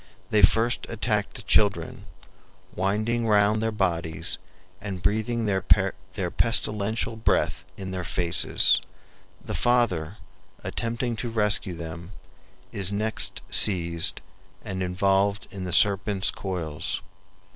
They first attacked the children, winding round their bodies and breathing their pestilential breath in their faces. The father, attempting to rescue them, is next seized and involved in the serpents' coils.